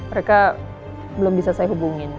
mereka belum bisa saya hubungin